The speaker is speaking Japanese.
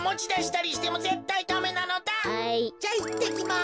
じゃいってきます。